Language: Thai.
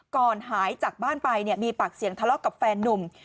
ก่อนหายจากบ้านไปมีปากเสียงทะเลาะกับแฟนนุ่ม